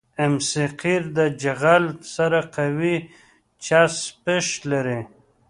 ام سي قیر د جغل سره قوي چسپش لري